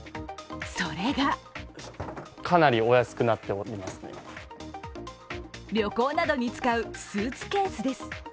それが旅行などに使うスーツケースです。